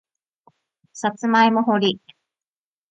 さつまいも掘り